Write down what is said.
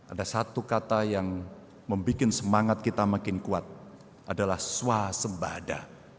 ada satu kata yang membuat semangat kita makin kuat adalah swasembada